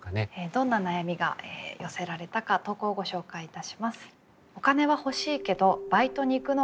どんな悩みが寄せられたか投稿をご紹介いたします。